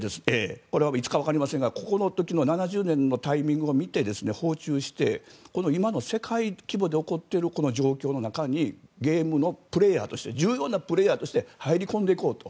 これはいつかわかりませんがここの時の７０年のタイミングを見て訪中して、今の世界規模で起こっている状況の中にゲームのプレーヤーとして重要なプレーヤーとして入り込んでいこうと。